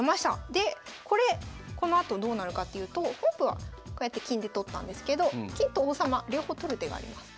でこれこのあとどうなるかっていうと本譜はこうやって金で取ったんですど金と王様両方取る手があります。